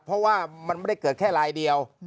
เพราะว่ามันไม่ได้เกิดแค่ลายเดียว